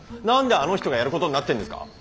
何であの人がやることになってんですか？